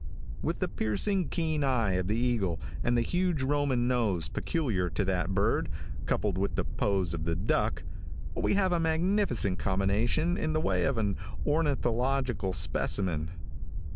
With the piercing, keen eye of the eagle, and the huge Roman nose peculiar to that bird, coupled with the pose of the duck, we have a magnificent combination in the way of an ornithological specimen.